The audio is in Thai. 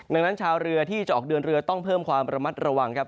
ดังนั้นชาวเรือที่จะออกเดินเรือต้องเพิ่มความระมัดระวังครับ